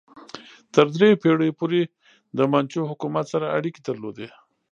تر دریو پیړیو پورې د منچو حکومت سره اړیکې درلودې.